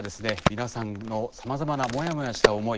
皆さんのさまざまなモヤモヤした思い